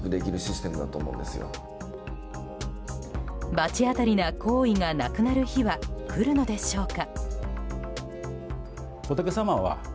罰当たりな行為がなくなる日は来るのでしょうか。